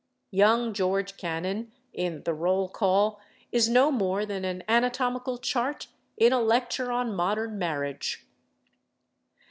Young George Cannon, in "The Roll Call," is no more than an anatomical chart in a lecture on modern marriage.